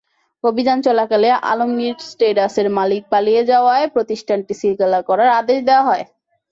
অভিযান চলাকালে আলমগীর ট্রেডার্সের মালিক পালিয়ে যাওয়ায় প্রতিষ্ঠানটি সিলগালা করার আদেশ দেওয়া হয়।